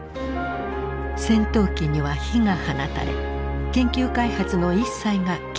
戦闘機には火が放たれ研究開発の一切が禁じられた。